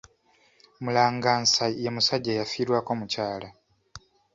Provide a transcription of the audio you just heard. Mulangansa ye musajja ayafiirwako omukyala.